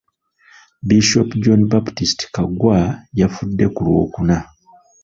Bishop John Baptist Kaggwa yafudde ku Lwookuna.